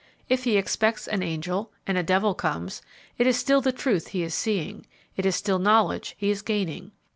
If he expects an angel and a devil comes, it is still the truth he is seeing, it is still knowledge he is gaining.